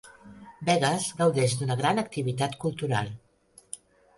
Begues gaudeix d'una gran activitat cultural.